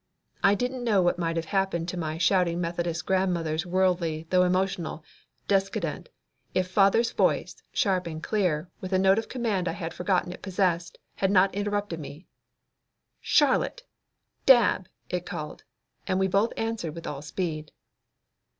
I don't know what might have happened to my shouting Methodist grandmother's worldly though emotional descendant if father's voice, sharp and clear, with a note of command I had forgotten it possessed, had not interrupted me. "Charlotte! Dab!" it called; and we both answered with all speed.